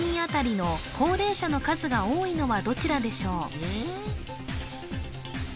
高齢者の数が多いのはどちらでしょう